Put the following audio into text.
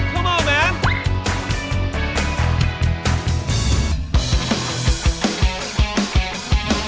เข้ามาแล้วแม่ง